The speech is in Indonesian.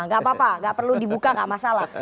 nggak apa apa nggak perlu dibuka nggak masalah